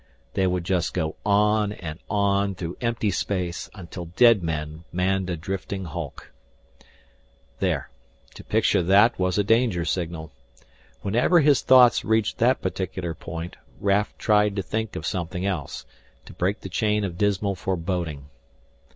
They would just go on and on through empty space until dead men manned a drifting hulk There to picture that was a danger signal. Whenever his thoughts reached that particular point, Raf tried to think of something else, to break the chain of dismal foreboding.